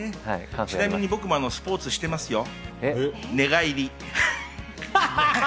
ちなみに僕もスポーツしてますよ、寝返り。